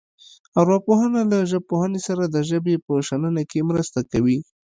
ارواپوهنه له ژبپوهنې سره د ژبې په شننه کې مرسته کوي